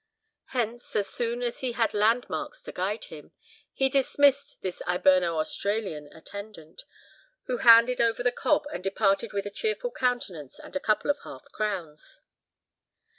Hence, as soon as he had land marks to guide him, he dismissed his Hiberno Australian attendant, who handed over the cob and departed with a cheerful countenance and a couple of half crowns.